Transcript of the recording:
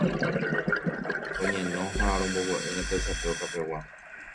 Roñeno ha rombogue'ỹre tesape okapegua